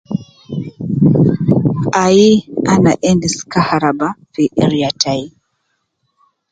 Ayi ana endis kaharaba fi area tai